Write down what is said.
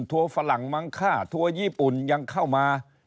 ถั่วฝรั่งมังค่าถั่วยีปุ่นยังเข้ามา